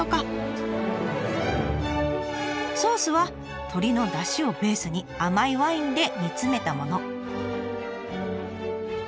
ソースは鶏のだしをベースに甘いワインで煮詰めたもの。